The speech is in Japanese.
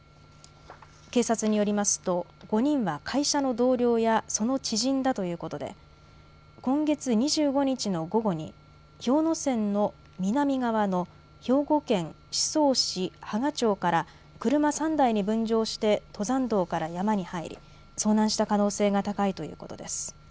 警察によりますと５人は会社の同僚や、その知人だということで今月２５日の午後に氷ノ山の南側の兵庫県宍粟市波賀町から車３台に分乗して登山道から山に入り遭難した可能性が高いということです。